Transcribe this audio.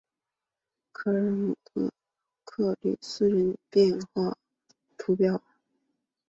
科尔姆埃克吕斯人口变化图示